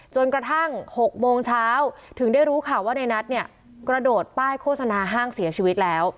จนกระทั่ง๖โมงเช้าถึงได้รู้ข่าวว่าในนัทเนี่ยกระโดดป้ายโฆษณาห้างเสียชีวิตแล้ว